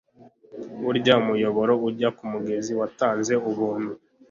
burya umuyoboro ujya kumugezi watanze ubuntu